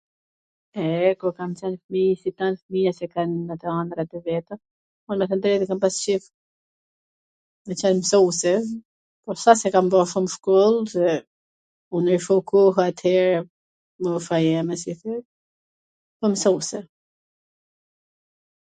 e, kur kam qwn fmij, si tan fmijwt qw kan ato wndrrat e veta, un me thwn t drejtwn kam pas qef me qwn msuse, po s' a se kam bo shum shkoll, nuk qe koha atere mosha jeme e si thoj, po msuse.